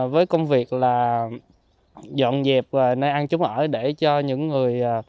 với công việc là dọn dẹp nơi ăn chúng ở để cho những người